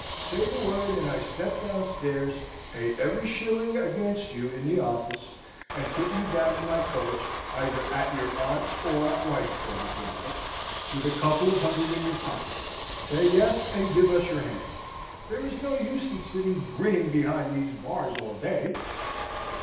Say the word, and I step downstairs, pay every shilling against you in the office, and put you down in my coach, either at your aunt's or at White's Club, if you like, with a couple of hundred in your pocket. Say yes; and give us your hand! There's no use in sitting grinning behind these bars all day!"